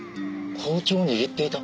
包丁を握っていた？